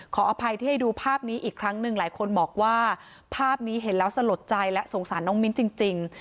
ขออภัยที่ให้ดูภาพนี้อีกครั้งหนึ่งหลายคนบอกว่าภาพนี้เห็นแล้วสลดใจและสงสารน้องมิ้นจริง